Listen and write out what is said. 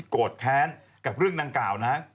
โกรธแค้นกับเรื่องดังกล่าวนะ